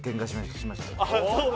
そうだ。